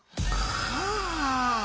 はあ！